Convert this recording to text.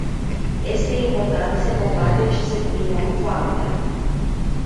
Este important să combatem și să diminuăm foametea.